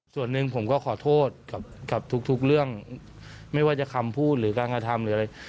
ส่วนหนึ่งผมก็ขอโทษกับทุกเรื่องไม่ว่าจะคำพูดหรือการกระทำหรืออะไร